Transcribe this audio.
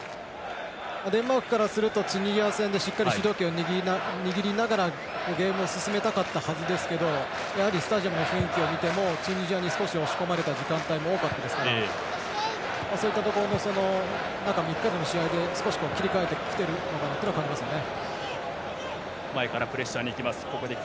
デンマークからするとチュニジア戦でしっかり主導権を握りながらゲームを進めたかったはずですがスタジアムの雰囲気を見てもチュニジアに少し押し込まれた時間帯も多かったですからそういったところを中３日での試合で少し切り替えてきているのかなということは感じますね。